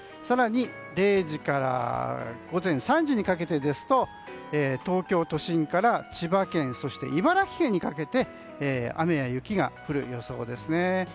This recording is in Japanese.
更に０時から午前３時にかけてですと東京都心から千葉県、そして茨城県にかけて雨や雪が降る予想ですね。